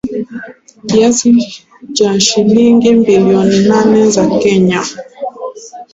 Kiasi cha shilingi bilioni nane za Kenya